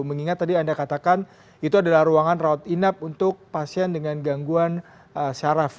mengingat tadi anda katakan itu adalah ruangan rawat inap untuk pasien dengan gangguan syaraf